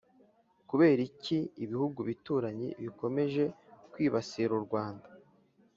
Kubera iki ibihugu bituranyi bikomeje kwibasira u Rwanda